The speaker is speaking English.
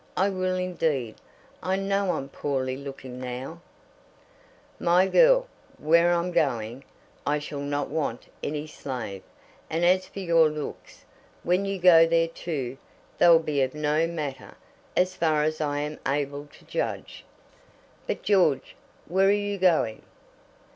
I will indeed. I know I'm poorly looking now " "My girl, where I'm going, I shall not want any slave; and as for your looks when you go there too, they'll be of no matter, as far as I am able to judge." "But, George, where are you going?"